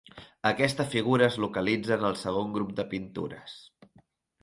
Aquesta figura es localitza en el segon grup de pintures.